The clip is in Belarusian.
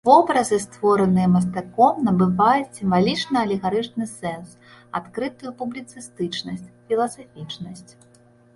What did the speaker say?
Вобразы, створаныя мастаком, набываюць сімвалічна-алегарычны сэнс, адкрытую публіцыстычнасць, філасафічнасць.